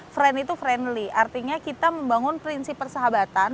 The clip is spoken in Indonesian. friend itu friendly artinya kita membangun prinsip persahabatan